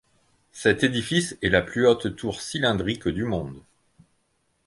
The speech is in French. Cet édifice est la plus haute tour cylindrique du Monde.